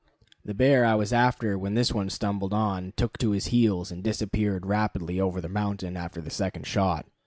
The bear I was after when this one was stumbled on, took to his heels and disappeared rapidly over the mountain after the second shot.